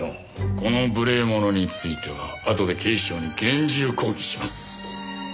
この無礼者についてはあとで警視庁に厳重抗議します。